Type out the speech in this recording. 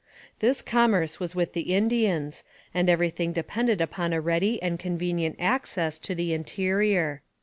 This commerce was with the Indians, and everything depended upon a ready and convenient access to the interior.